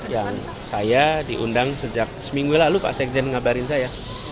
yang saya diundang sejak seminggu lalu pak sekjen mengabarin saya